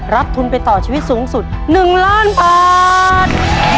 ทุนไปต่อชีวิตสูงสุด๑ล้านบาท